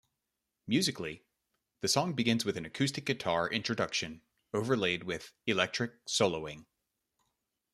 Musically, the song begins with an acoustic guitar introduction overlaid with electric soloing.